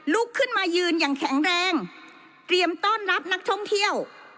ลุกขึ้นมายืนอย่างแข็งแรงเตรียมต้อนรับนักท่องเที่ยว